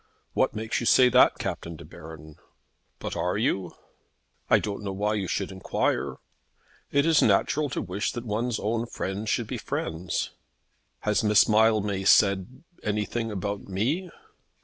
"What makes you say that, Captain De Baron?" "But are you?" "I don't know why you should enquire." "It is natural to wish that one's own friends should be friends." "Has Miss Mildmay said anything about me?"